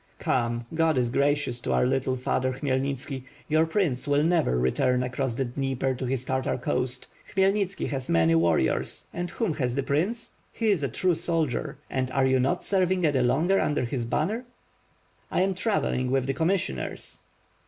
"Come! God is gracious to our little father Khmyelnitski, your prince will never return across the Dnieper to his Tar tar coast. Khmyelnitski has many warriors, and whom has the prince? He is a true soldier. Are you not serving any longer under his banner?" ^T. am travelling with the commissioners."